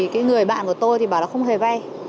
cái người bạn của tôi thì bảo là không hề vay